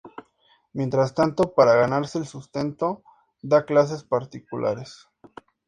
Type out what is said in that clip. Mientras tanto, para ganarse el sustento, da clases particulares.